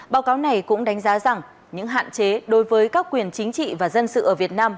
báo cáo này cũng đánh giá rằng những hạn chế đối với các quyền chính trị và dân sự ở việt nam